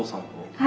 はい。